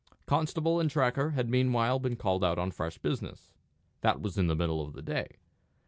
Constable and tracker had meanwhile been called out on fresh business. That was in the middle of the day.